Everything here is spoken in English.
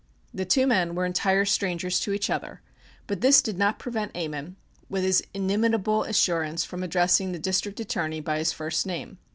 The two men were entire strangers to each other but this did not prevent Ammon, with his inimitable assurance, from addressing the District Attorney by his first name.